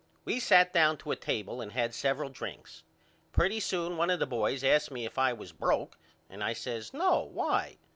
We sat down to a table and had several drinks. Pretty soon one of the boys asked me if I was broke and I says No, why?